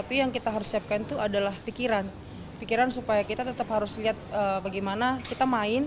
itu adalah pikiran pikiran supaya kita tetap harus lihat bagaimana kita main